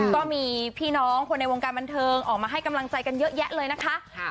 ก็มีพี่น้องคนในวงการบันเทิงออกมาให้กำลังใจกันเยอะแยะเลยนะคะ